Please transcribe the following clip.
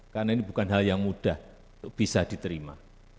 karena ini bukan hal yang mudah bisa diterima